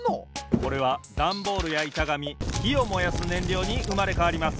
これはダンボールやいたがみひをもやすねんりょうにうまれかわります。